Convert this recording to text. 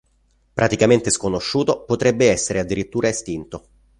Praticamente sconosciuto, potrebbe essere addirittura estinto.